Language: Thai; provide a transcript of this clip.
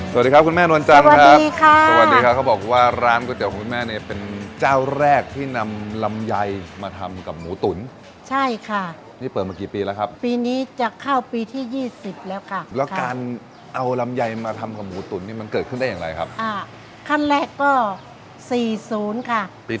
สวัสดีครับคุณแม่นวลจันทร์ครับสวัสดีค่ะสวัสดีครับเขาบอกว่าร้านก๋วของคุณแม่เนี่ยเป็นเจ้าแรกที่นำลำไยมาทำกับหมูตุ๋นใช่ค่ะนี่เปิดมากี่ปีแล้วครับปีนี้จะเข้าปีที่ยี่สิบแล้วค่ะแล้วการเอาลำไยมาทำกับหมูตุ๋นนี่มันเกิดขึ้นได้อย่างไรครับอ่าขั้นแรกก็สี่ศูนย์ค่ะปี